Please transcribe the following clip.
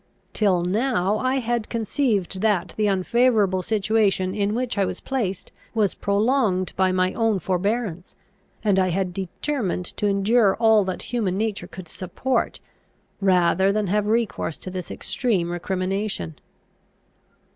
Till now, I had conceived that the unfavourable situation in which I was placed was prolonged by my own forbearance; and I had determined to endure all that human nature could support, rather than have recourse to this extreme recrimination.